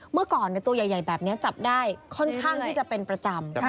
เมื่อก่อนตัวใหญ่แบบนี้จับได้ค่อนข้างที่จะเป็นประจำ